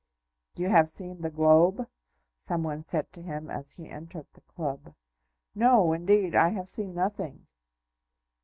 "You have seen the Globe?" someone said to him as he entered the club. "No, indeed; I have seen nothing."